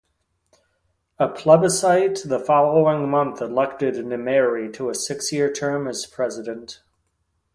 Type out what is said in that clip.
A plebiscite the following month elected Nimeiri to a six-year term as president.